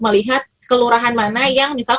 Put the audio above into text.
melihat kelurahan mana yang misal